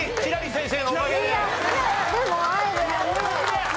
先生。